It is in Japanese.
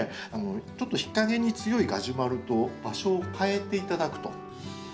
ちょっと日陰に強いガジュマルと場所を換えて頂くと。